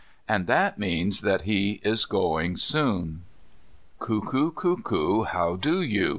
And that means that he is going soon. "Cuckoo, cuckoo, How do you?